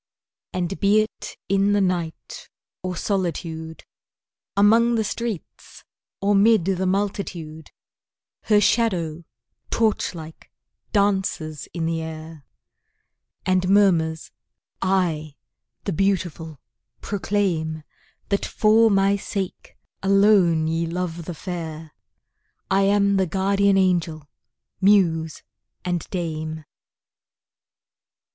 And be it in the night, or solitude, Among the streets or 'mid the multitude, Her shadow, torch like, dances in the air, And murmurs, "I, the Beautiful proclaim That for my sake, alone ye love the Fair; I am the Guardian Angel, Muse and Dame!"